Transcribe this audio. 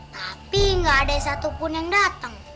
tapi gak ada satupun yang dateng